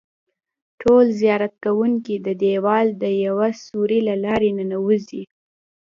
ټول زیارت کوونکي د دیوال د یوه سوري له لارې ننوځي.